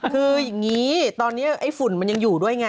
คืออย่างนี้ตอนนี้ไอ้ฝุ่นมันยังอยู่ด้วยไง